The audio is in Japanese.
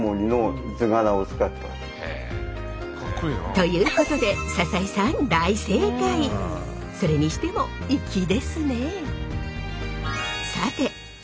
ということでそれにしても粋ですね。